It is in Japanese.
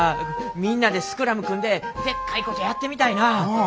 みんなでスクラム組んででっかいことやってみたいなぁ。